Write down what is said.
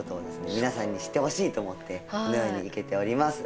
皆さんに知ってほしいと思ってこのように生けております。